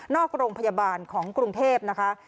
โรงพยาบาลของกรุงเทพนะคะ